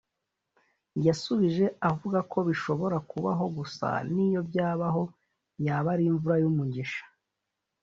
yasubije avugako bishobora kubaho gusa niyo byabaho yaba ari imvura y’ umugisha